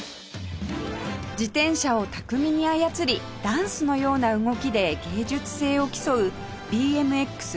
自転車を巧みに操りダンスのような動きで芸術性を競う ＢＭＸ